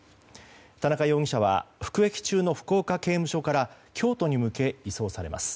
田中容疑者は服役中の福岡刑務所から京都に向け移送されます。